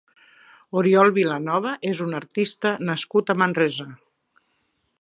Oriol Vilanova és un artista nascut a Manresa.